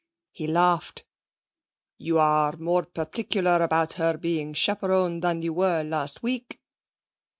He laughed. 'You are more particular about her being chaperoned than you were last week.'